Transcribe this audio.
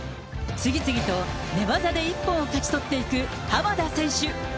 次々と寝技で一本を勝ち取っていく浜田選手。